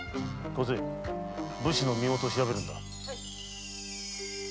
梢武士の身元を調べるんだ。